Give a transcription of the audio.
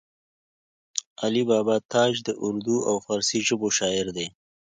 علي بابا تاج د اردو او فارسي ژبو شاعر دی